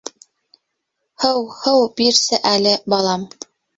Һыу, һыу бирсе әле, балам...